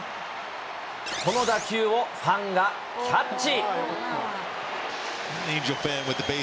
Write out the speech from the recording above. この打球をファンがキャッチ。